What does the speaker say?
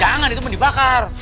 jangan itu mau dibakar